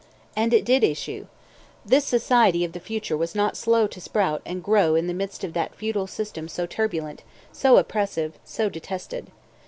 And it did issue. This society of the future was not slow to sprout and grow in the midst of that feudal system so turbulent, so oppressive, so detested.